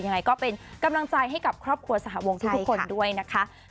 ยังไงก็เป็นกำลังใจให้กับครอบครัวสหวงทุกคนด้วยนะคะ